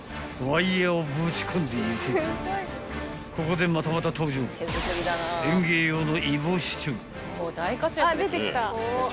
［ここでまたまた登場園芸用の］